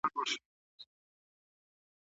په قران کي د ژوند په اړه ډېر ایتونه سته.